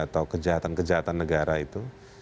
atau kejahatan kejahatan negara itu